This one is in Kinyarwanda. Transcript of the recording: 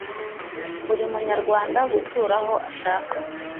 buri munyarwanda gutura aho ashaka